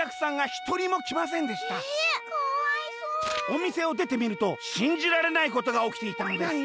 「おみせをでてみるとしんじられないことがおきていたのです」。